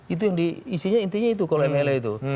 itu yang diisinya intinya itu kalau mla itu